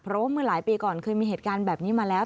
เพราะว่าเมื่อหลายปีก่อนเคยมีเหตุการณ์แบบนี้มาแล้ว